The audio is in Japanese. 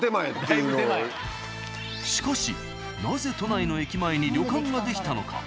しかしなぜ都内の駅前に旅館が出来たのか？